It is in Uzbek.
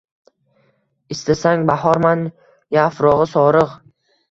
Istasang bahorman, yafrog’i sorig’